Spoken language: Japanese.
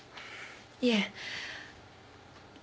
いえ。